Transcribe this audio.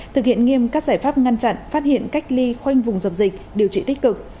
thực hiện nghiêm các giải pháp ngăn chặn phát hiện cách ly khoanh vùng dập dịch điều trị tích cực